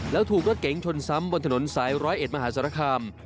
แล้วถูกรถเก๋งชนซ้ำบนถนนสายร้อยเอ็ดมหาสารคาม